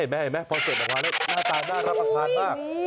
เห็นไหมพอเสร็จมาก่อนเลยหน้าตาหน้ารักภาพมาก